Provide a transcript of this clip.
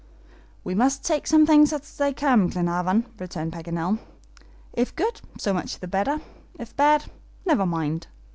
"We must take things as they come, Glenarvan," returned Paganel. "If good, so much the better; if bad, never mind.